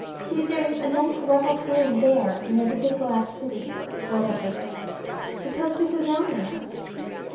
See, there's a nice level plain there near the big glass city, or whatever it is. Suppose we go down there."